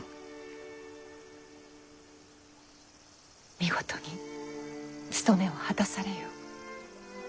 見事に務めを果たされよ。